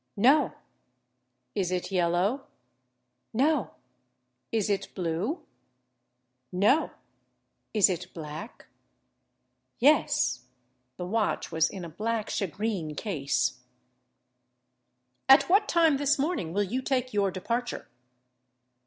"No." "Is it yellow?" "No." "Is it blue?" "No." "Is it black?" "Yes." [The watch was in a black shagreen case.] "At what time this morning will you take your departure?"